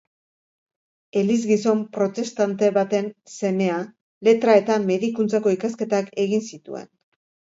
Elizgizon protestante baten semea, Letra eta Medikuntzako ikasketak egin zituen.